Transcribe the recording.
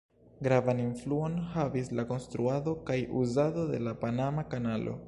Gravan influon havis la konstruado kaj uzado de la Panama Kanalo.